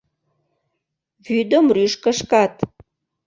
Вӱдым рӱж кышкат.